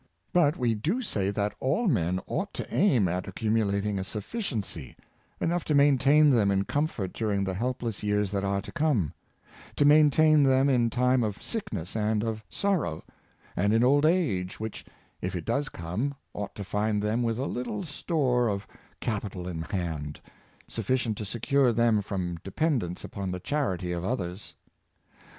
But we do say that all men ought to aim at accumulating a suffi ciency— enough to maintain them in comfort during the helpless years that are to come; to maintain them in time of sickness and of sorrow, and in old age, which, if it does come, ought to find them with a little store of capital in hand, sufficient to secure them from depend ence upon the charity of others.